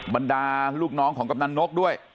บรรดาลูกน้องของกำนันนกด้วย